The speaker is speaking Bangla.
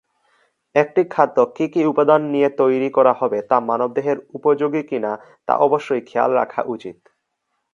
একটি খাদ্য কি কি উপাদান নিয়ে তৈরি করা হবে তা মানবদেহের উপযোগী কিনা তা অবশ্যই খেয়াল রাখা উচিত।